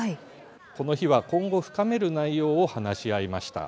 この日は、今後深める内容を話し合いました。